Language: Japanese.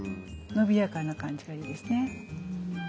伸びやかな感じがいいですね。